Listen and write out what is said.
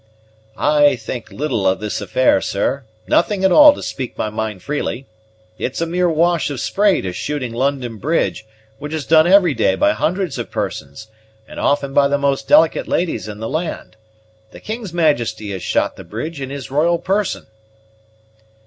"I think little of this affair, sir; nothing at all to speak my mind freely. It's a mere wash of spray to shooting London Bridge which is done every day by hundreds of persons, and often by the most delicate ladies in the land. The king's majesty has shot the bridge in his royal person."